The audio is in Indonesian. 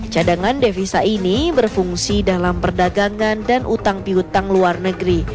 cadangan devisa ini berfungsi dalam perdagangan dan utang piutang luar negeri